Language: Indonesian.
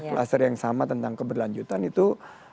kluster yang sama tentang keberlanjutan itu